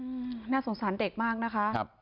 อืมน่าสงสารเด็กมากนะคะครับ